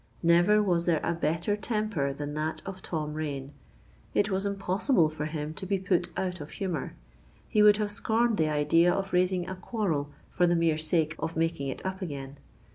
Never was there a better temper than that of Tom Rain: it was impossible for him to be put out of humour. He would have scorned the idea of raising a quarrel for the mere sake of making it up again.